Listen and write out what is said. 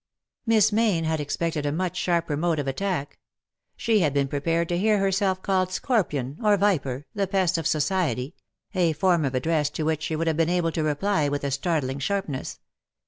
Miss Mayne had expected a much sharper mode of attack. She had been prepared to hear herself called scorpion — or viper — the pest of society — a form of address to which she would have been able to reply with a startling sharpness.